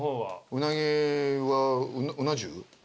うなぎはうな重？